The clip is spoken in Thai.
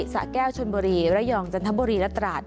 สะแก้วชนบุรีระยองจันทบุรีและตราด